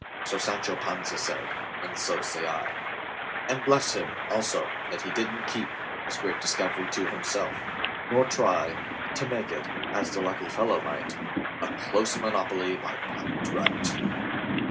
So Sancho Panza said, and so say I:And bless him, also, that he did n't keepHis great discovery to himself; nor tryTo make it—as the lucky fellow might—A close monopoly by patent right!